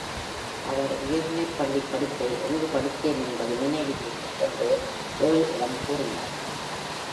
அவர் உயர்நிலைப் பள்ளிப் படிப்பை எங்கு படித்தேன் என்பது நினைவில் இல்லை என்று Earl இடம் கூறுகிறார்.